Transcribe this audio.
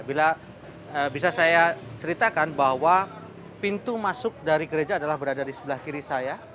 bila bisa saya ceritakan bahwa pintu masuk dari gereja adalah berada di sebelah kiri saya